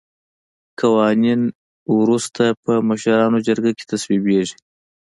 قوانین وروسته په مشرانو جرګه کې تصویبیږي.